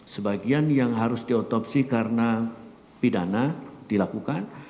sebagian yang harus diotopsi karena pidana dilakukan